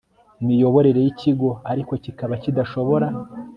miyoborere y ikigo ariko kikaba kidashobora